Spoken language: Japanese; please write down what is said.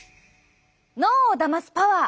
脳をだますパワー！